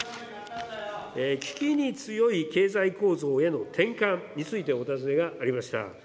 危機に強い経済構造への転換についてお尋ねがありました。